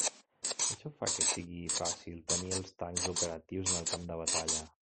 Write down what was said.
Això fa que sigui fàcil tenir els tancs operatius en el camp de batalla.